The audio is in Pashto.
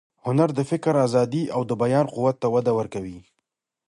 هنر د فکر ازادي او د بیان قوت ته وده ورکوي.